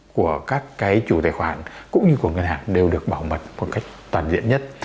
các thông tin của các chủ tài khoản cũng như của ngân hàng đều được bảo mật một cách toàn diện nhất